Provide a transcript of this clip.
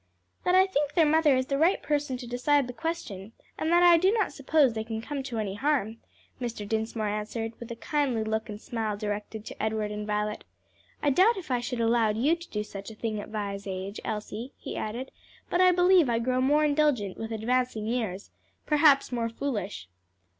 "That I think their mother is the right person to decide the question, and that I do not suppose they can come to any harm," Mr. Dinsmore answered, with a kindly look and smile directed to Edward and Violet. "I doubt if I should have allowed you to do such a thing at Vi's age, Elsie," he added, "but I believe I grow more indulgent with advancing years perhaps more foolish."